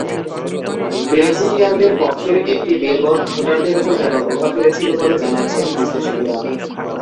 ব্রেক্সিটিয়ারদের পক্ষের একটি বিলবোর্ড ভোটারদের ওপর ব্যাপক প্রভাব ফেলেছিল বলে জানাচ্ছেন বিশ্লেষকেরা।